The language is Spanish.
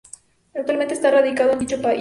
Actualmente está radicado en dicho país.